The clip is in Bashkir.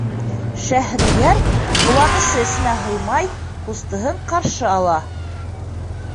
Шәһрейәр, ҡыуанысы эсенә һыймай, ҡустыһын ҡаршы ала.